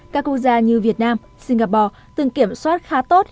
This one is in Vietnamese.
các quốc gia như việt nam singapore từng kiểm soát khá tốt